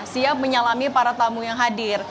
siap menyalami para tamu yang hadir